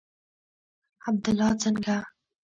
عبدالله څنگه.